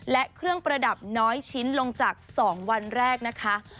และเครื่องประดับน้อยชิ้นลงจาก๒วันแรกนะคะ